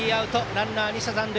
ランナー２者残塁。